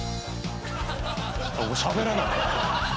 しゃべらない。